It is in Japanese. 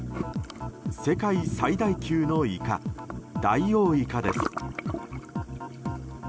世界最大級のイカダイオウイカです。